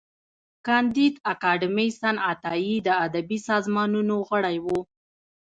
کانديد اکاډميسن عطايي د ادبي سازمانونو غړی و.